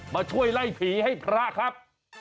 มาช่วยไล่ผีให้พระครับ